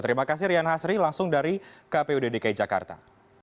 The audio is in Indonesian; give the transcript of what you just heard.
terima kasih rian hasri langsung dari kpud dki jakarta